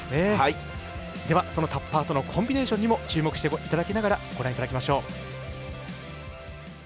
では、タッパーとのコンビネーションにも注目していただきながらご覧いただきましょう。